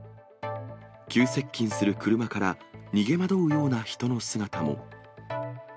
急接近する車から、逃げ惑うような人の姿も。